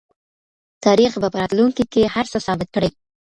تاریخ به په راتلونکي کې هر څه ثابت کړي.